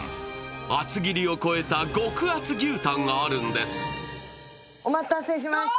厚切りを超えた極厚牛タンがあるんです。